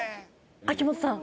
秋元さん。